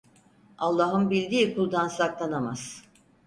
Allah'ın bildiği kuldan saklanamaz.